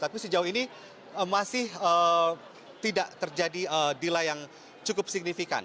tapi sejauh ini masih tidak terjadi delay yang cukup signifikan